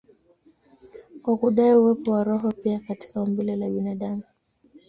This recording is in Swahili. kwa kudai uwepo wa roho pia katika umbile la binadamu.